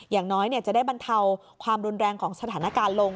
อย่างน้อยจะได้บรรเทาความรุนแรงของสถานการณ์ลง